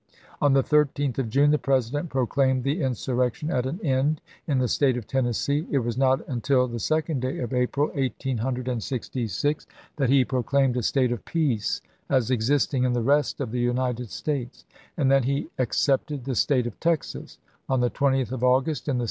M65. On the 13th of June the President proclaimed the insurrection at an end in the State of Tennes see ; it was not until the second day of April, 1866, THE END OF BEBELLION 339 that he proclaimed a state of peace as existing in ch. xvii the rest of the United States, and then he excepted the State of Texas ; on the 20th of August, in the i866.